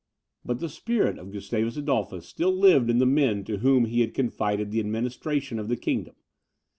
But the spirit of Gustavus Adolphus still lived in the men to whom he had confided the administration of the kingdom.